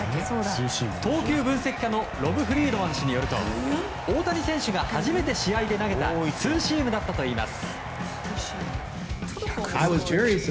投球分析家のロブ・フリードマン氏によると大谷選手が初めて試合で投げたツーシームだったといいます。